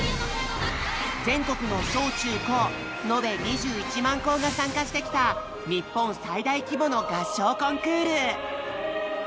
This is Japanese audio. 全国の小・中・高のべ２１万校が参加してきた日本最大規模の合唱コンクール！